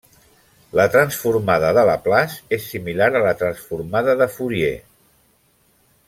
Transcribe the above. La transformada de Laplace és similar a la transformada de Fourier.